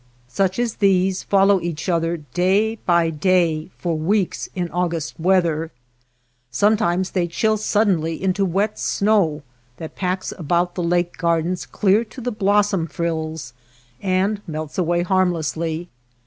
Such as these follow each other day by day for weeks in August weather. Some times they chill suddenly into wet snow that packs about the lake gardens clear to the blossom frills, and melts away harm lessly.